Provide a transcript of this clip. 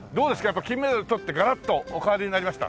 やっぱり金メダル取ってガラッとお変わりになりました？